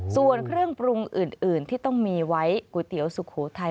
ส่วนเครื่องปรุงอื่นที่ต้องมีไว้ก๋วยเตี๋ยวสุโขทัย